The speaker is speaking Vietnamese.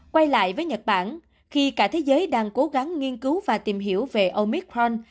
quay lại với nhật bản khi cả thế giới đang cố gắng nghiên cứu và tìm hiểu về omicron